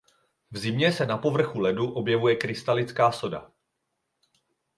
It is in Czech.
V zimě se na povrchu ledu objevuje krystalická soda.